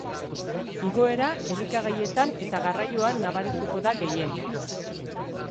Igoera elikagaietan eta garraioan nabarituko da gehien.